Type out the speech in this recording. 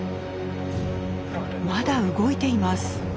まだ動いています。